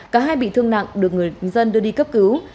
cả hai bị thương nặng được người dân đưa đi cấp cứu